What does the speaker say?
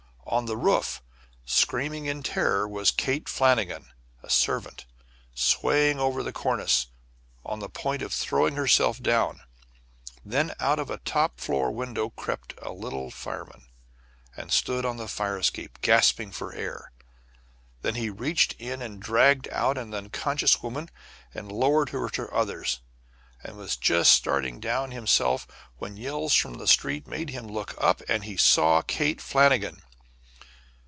On the roof, screaming in terror, was Kate Flannigan, a servant, swaying over the cornice, on the point of throwing herself down. Then out of a top floor window crept a little fireman, and stood on the fire escape, gasping for air. Then he reached in and dragged out an unconscious woman and lowered her to others, and was just starting down himself when yells from the street made him look up, and he saw Kate Flannigan.